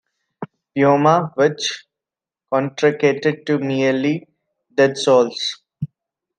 "Poema", which contracted to merely "Dead Souls".